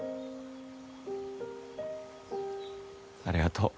ありがとう。